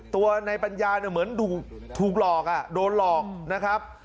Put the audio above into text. ตัวในปัญญาเนี่ยเหมือนถูกหลอกโดนหลอกนะครับ